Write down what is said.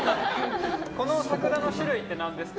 この桜の種類って何ですか？